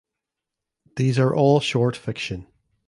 These are all short fiction.